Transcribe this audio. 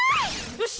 よし！